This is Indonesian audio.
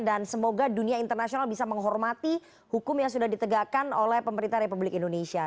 dan semoga dunia internasional bisa menghormati hukum yang sudah ditegakkan oleh pemerintah republik indonesia